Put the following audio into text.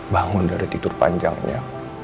bangun dari tidur panjangnya